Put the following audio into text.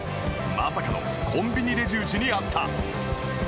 まさかのコンビニレジ打ちにあった